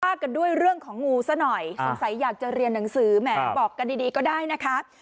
กันด้วยเรื่องของงูซะหน่อยสงสัยอยากจะเรียนหนังสือแหมบอกกันดีดีก็ได้นะคะ